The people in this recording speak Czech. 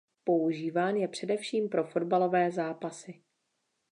Používán je především pro fotbalové zápasy.